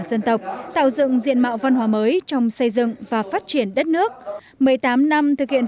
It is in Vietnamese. dân tộc tạo dựng diện mạo văn hóa mới trong xây dựng và phát triển đất nước một mươi tám năm thực hiện